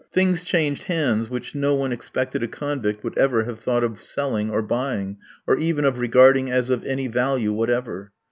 Things changed hands which no one expected a convict would ever have thought of selling or buying, or even of regarding as of any value whatever.